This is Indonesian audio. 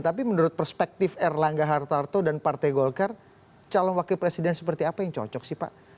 tapi menurut perspektif erlangga hartarto dan partai golkar calon wakil presiden seperti apa yang cocok sih pak